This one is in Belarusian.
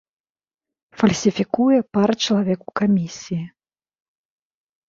Фальсіфікуе пара чалавек у камісіі.